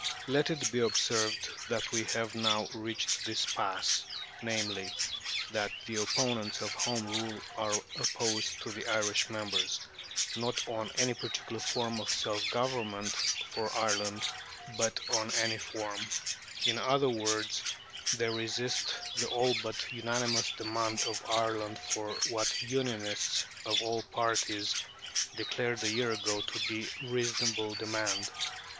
Let it be observed that we have now reached this pass, namely, that the opponents of Home Rule are opposed to the Irish members, not on any particular form of self government for Ireland, but on any form; in other words, they resist the all but unanimous demand of Ireland for what "Unionists" of all parties declared a year ago to be a reasonable demand.